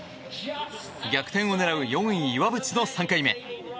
逆転を狙う４位、岩渕の３回目。